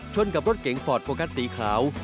กับรถเก๋งฟอร์ดโฟกัสสีขาว